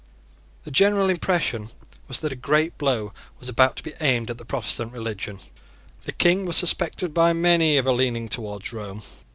The general impression was that a great blow was about to be aimed at the Protestant religion. The King was suspected by many of a leaning towards Rome.